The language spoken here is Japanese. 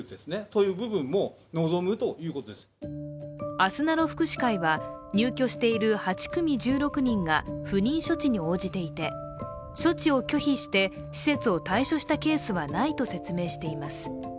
あすなろ福祉会は入居している８組１６人が不妊処置に応じていて処置を拒否して施設を退所したケースはないと説明しています。